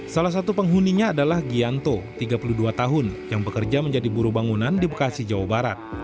salah satu penghuninya adalah gianto tiga puluh dua tahun yang bekerja menjadi buru bangunan di bekasi jawa barat